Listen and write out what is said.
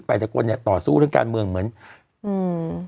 ไปตะคนมันต่อสู้เรื่องการเมืองเหมือนอืม